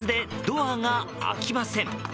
水圧でドアが開きません。